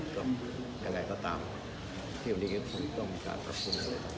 โปรดติดตามตอนต่อไป